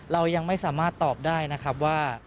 เรายังไม่สามารถตอบได้นะครับว่า